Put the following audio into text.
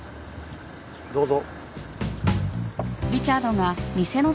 どうぞ。